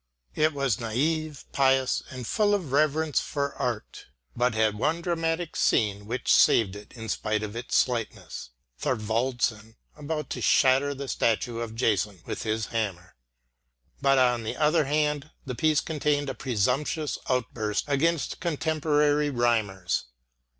It was naive, pious and full of reverence for art, but had one dramatic scene which saved it in spite of its slightness Thorwaldsen about to shatter the statue of Jason with his hammer. But on the other hand the piece contained a presumptuous outburst against contemporary rhymers.